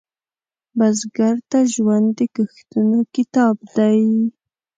بزګر ته ژوند د کښتونو کتاب دی